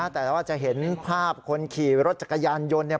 แต่เราจะเห็นภาพคนขี่รถจักรยานยนต์